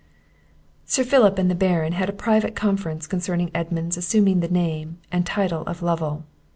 Sir Philip and the Baron had a private conference concerning Edmund's assuming the name and title of Lovel.